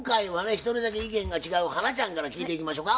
一人だけ意見が違う花ちゃんから聞いていきましょか。